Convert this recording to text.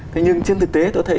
thế nhưng trên thực tế tôi thấy